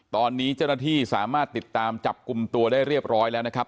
ตอนนี้เจ้าหน้าที่สามารถติดตามจับกลุ่มตัวได้เรียบร้อยแล้วนะครับ